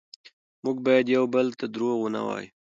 موږ باید یو بل ته دروغ ونه وایو